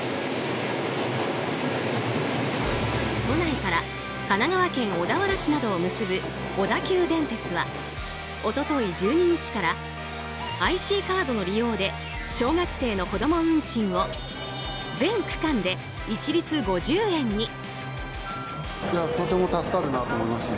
都内から神奈川県小田原市などを結ぶ小田急電鉄は一昨日１２日からＩＣカードの利用で小学生の子供運賃を全区間で一律５０円に。